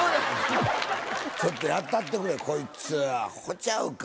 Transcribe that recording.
ちょっとやったってくれこいつアホちゃうか。